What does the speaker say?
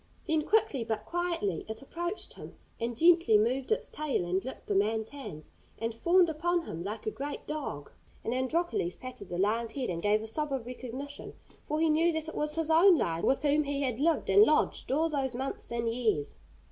Then quickly but quietly it approached him, and gently moved its tail and licked the man's hands, and fawned upon him like a great dog. And Androcles patted the lion's head, and gave a sob of recognition, for he knew that it was his own lion, with whom he had lived and lodged all those months and years.